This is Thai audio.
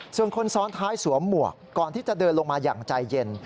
ส่วนคนซ้อนท้ายสวมหมวกก่อนที่จะเดินลงมาอย่างใจเย็น